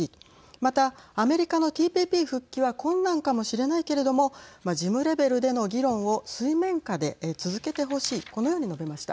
また、アメリカのＴＰＰ復帰は困難かもしれないけれども事務レベルでの議論を水面下で続けてほしいこのように述べました。